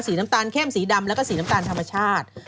น้ำตาลเข้มสีดำแล้วก็สีน้ำตาลธรรมชาติ